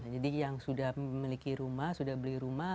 jadi yang sudah memiliki rumah sudah beli rumah